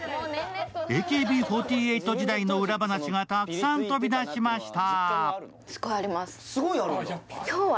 ＡＫＢ４８時代の裏話がたくさん飛び出しました。